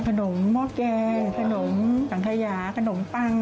ขนมหมอกแกงขนมสังทะยาขนมปัง